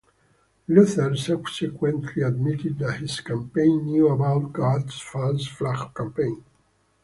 Luther subsequently admitted that his campaign knew about Garst's false flag campaign.